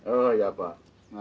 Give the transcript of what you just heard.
oh ya pak